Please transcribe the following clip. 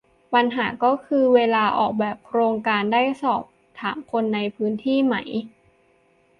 ปัญหาก็คือ เวลาออกแบบโครงการได้สอบถามคนในพื้นที่ไหม